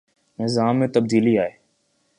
نظام میں تبدیلی آئے۔